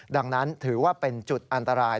ดังนั้นถือว่าเป็นจุดอันตราย